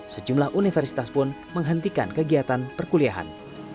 sejumlah universitas pun menghentikan kegiatan perkuliahan